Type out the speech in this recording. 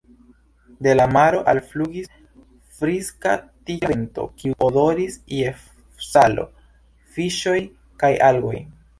De la maro alflugis friska, tikla vento, kiu odoris je salo, fiŝoj kaj algoj.